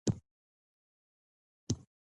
وادي د افغانستان د کلتوري میراث برخه ده.